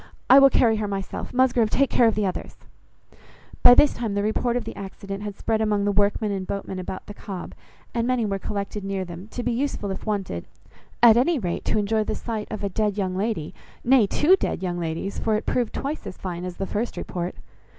"I will carry her myself. Musgrove, take care of the others." By this time the report of the accident had spread among the workmen and boatmen about the Cobb, and many were collected near them, to be useful if wanted, at any rate, to enjoy the sight of a dead young lady, nay, two dead young ladies, for it proved twice as fine as the first report.